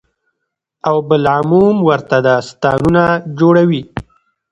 او بالعموم ورته داستانونه جوړوي،